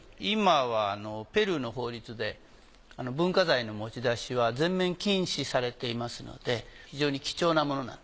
今はペルーの法律で文化財の持ち出しは全面禁止されていますので非常に貴重なもの。